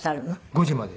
５時まで。